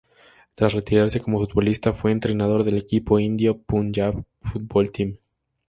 Tras retirarse como futbolista fue entrenador del equipo indio Punjab football team.